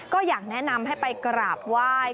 ก็อยากแนะนำให้ไปกราบไหว้